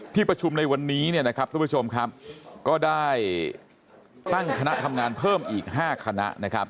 ที่ประชุมในวันนี้เนี่ยนะครับทุกผู้ชมครับก็ได้ตั้งคณะทำงานเพิ่มอีก๕คณะนะครับ